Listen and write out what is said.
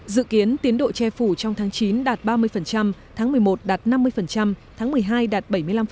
dự kiến tiến độ che phủ trong tháng chín đạt ba mươi tháng một mươi một đạt năm mươi tháng một mươi hai đạt bảy mươi năm